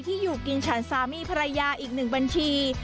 อยู่กินฉันสามีภรรยาอีกหนึ่งบัญชี